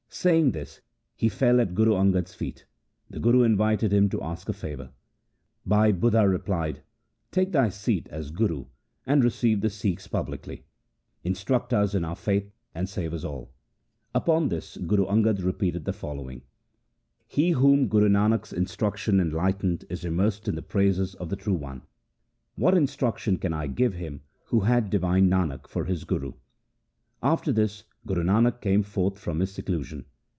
Saying this he fell at Guru Angad' s feet. The Guru invited him to ask a favour. Bhai Budha replied, ' Take thy seat as Guru and receive the Sikhs publicly. Instruct us in our faith, and save us all.' Upon this Guru Angad repeated the following :— LIFE OF GURU ANGAD 15 He whom Guru Nanak's instruction enlightened is im mersed in the praises of the True One. What instruction can I give him who had divine Nanak for his guru ? 1 After this Guru Angad came forth from his seclusion.